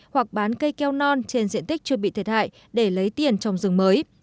hoặc bán cây keo non trên diện tích chưa bị thiệt hại để lấy tiền trồng rừng mới